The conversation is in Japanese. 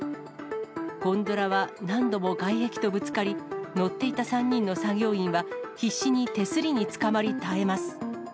ゴンドラは何度も外壁とぶつかり、乗っていた３人の作業員は、必死に手すりにつかまり耐えます。